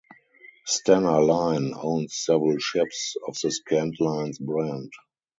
Stena Line owns several ships of the Scandlines brand.